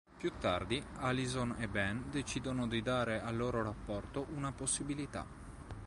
Più tardi, Alison e Ben decidono di dare al loro rapporto una possibilità.